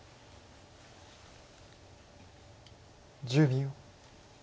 １０秒。